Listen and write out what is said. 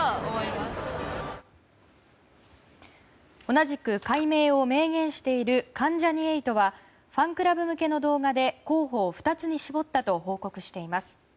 同じく改名を明言している関ジャニ∞はファンクラブ向けの動画で候補を２つに絞ったと報告しています。